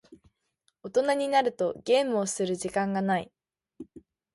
大人になるとゲームをする時間がない。